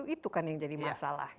itu kan yang jadi masalah